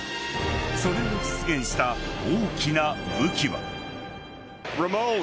それを実現した大きな武器は。